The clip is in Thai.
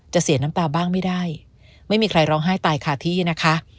เสียน้ำตาบ้างไม่ได้ไม่มีใครร้องไห้ตายคาที่นะคะ